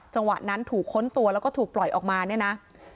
จังหวะนั้นถูกค้นตัวแล้วก็ถูกปล่อยออกมาเนี่ยนะ